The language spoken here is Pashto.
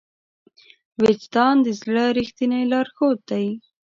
وجدان د زړه ریښتینی لارښود دی.